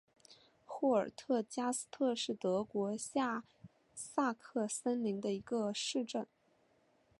霍尔特加斯特是德国下萨克森州的一个市镇。